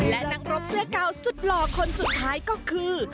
และนักรบเสื้อเก่าสุดหล่อคนสุดท้ายก็คือ